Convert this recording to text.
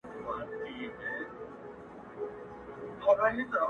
o د تعويذ زړه دي درڅه ولاړى گراني ولـمــبـــېــــــدې.